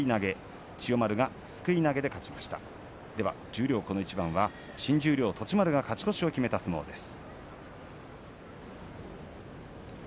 十両この一番は新十両栃丸が勝ち越しを決めた相撲です。